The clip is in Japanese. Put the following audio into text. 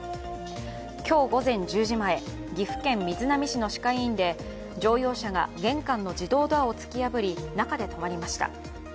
今日午前１０時前、岐阜県瑞浪市の歯科医院で乗用車が玄関の自動ドアを突き破り、中で止まりました。